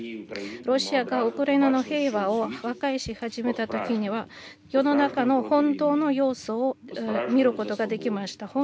ロシアがウクライナの平和を和解し始めたときには世の中の本当の様子を見ることができました。